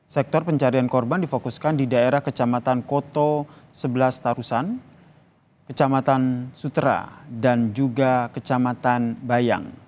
sektor pencarian korban difokuskan di daerah kecamatan koto sebelas tarusan kecamatan sutera dan juga kecamatan bayang